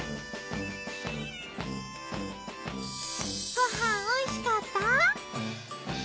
ごはんおいしかった？